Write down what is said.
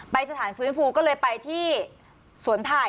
สถานฟื้นฟูก็เลยไปที่สวนไผ่